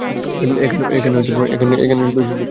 এখানে শুধু শিশির পড়ছে!